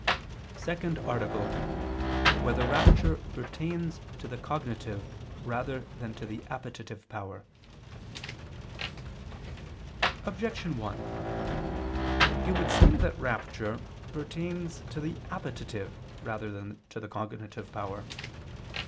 _______________________ SECOND ARTICLE [II II, Q. 175, Art. 2] Whether Rapture Pertains to the Cognitive Rather Than to the Appetitive Power? Objection 1: It would seem that rapture pertains to the appetitive rather than to the cognitive power.